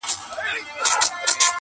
نه به ګرځي لېونی واسکټ په ښار کي!.